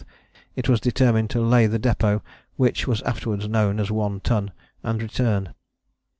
it was determined to lay the depôt, which was afterwards known as One Ton, and return.